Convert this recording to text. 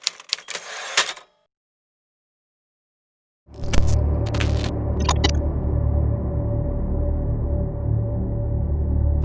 อาจจะแช่งชีวิตรวิจัย